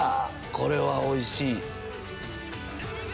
これはおいしい！